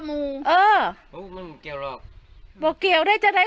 มันไม่เกี่ยวได้